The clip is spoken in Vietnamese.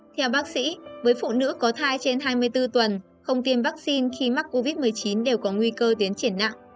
theo bác sĩ với phụ nữ có thai trên hai mươi bốn tuần không tiêm vaccine khi mắc covid một mươi chín đều có nguy cơ tiến triển nặng